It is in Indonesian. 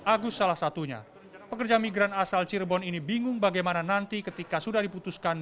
agus salah satunya pekerja migran asal cirebon ini bingung bagaimana nanti ketika sudah diputuskan